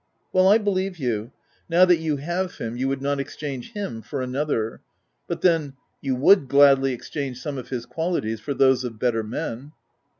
" Well, I believe you : now that you have OF WILDFELL HALL. 247 him, you would not exchange Mm for another ; but then you would gladly exchange some of his qualities for those of better men."